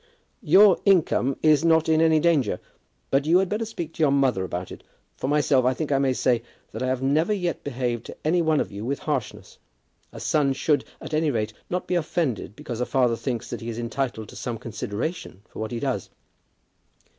"Your income is not in any danger. But you had better speak to your mother about it. For myself, I think I may say that I have never yet behaved to any of you with harshness. A son should, at any rate, not be offended because a father thinks that he is entitled to some consideration for what he does."